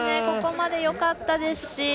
ここまで、よかったですし。